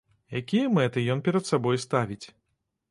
Якія мэты ён перад сабой ставіць?